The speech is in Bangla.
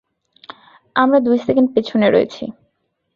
আমরা দুই সেকেন্ড পেছনে রয়েছি।